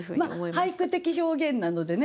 俳句的表現なのでね